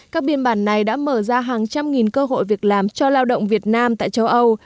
các biên bản này đã mở ra hàng trăm nghìn cơ hội việc làm cho lao động việt nam tại châu âu